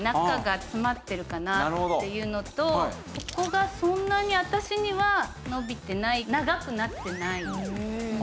中が詰まってるかなっていうのとここがそんなに私には伸びてない長くなってない。